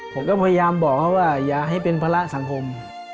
ผมก็พยายามบอกเขาว่าอย่าให้เป็นภาระสังคม